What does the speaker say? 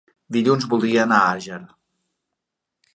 Dilluns voldria anar a Àger.